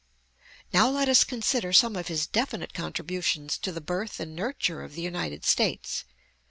Now let us consider some of his definite contributions to the birth and nurture of the United States.